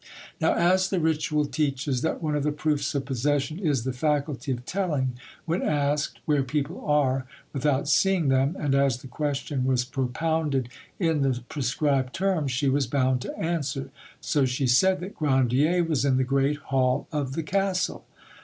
Now, as the ritual teaches that one of the proofs of possession is the faculty of telling, when asked, where people are, without seeing them, and as the question was propounded in the prescribed terms, she was bound to answer, so she said that Grandier was in the great hall of the castle.